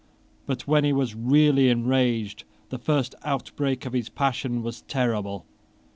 But when he was really enraged the first outbreak of his passion was terrible.